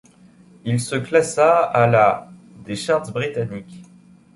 Il se classa à la des charts britanniques.